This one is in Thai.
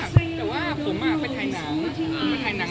จริงเยอะมากแบบเยอะมากเลย